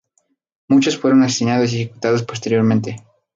Muchos fueron asesinados y ejecutados posteriormente.